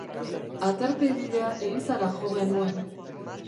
Aterpe bila elizara jo genuen.